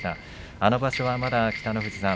あの場所はまだ北の富士さん